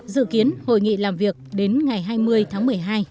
dự kiến hội nghị làm việc đến ngày hai mươi tháng một mươi hai